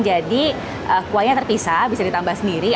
jadi kuahnya terpisah bisa ditambah sendiri